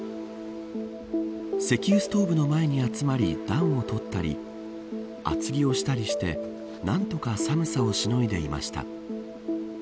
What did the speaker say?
石油ストーブの前に集まり暖を取ったり厚着をしたりして何とか寒さをしのいでいました。